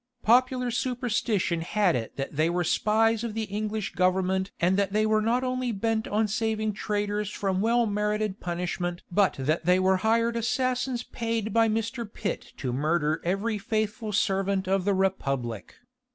Popular superstition had it that they were spies of the English Government and that they were not only bent on saving traitors from well merited punishment but that they were hired assassins paid by Mr. Pitt to murder every faithful servant of the Republic.